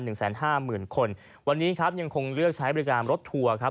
แสนห้าหมื่นคนวันนี้ครับยังคงเลือกใช้บริการรถทัวร์ครับ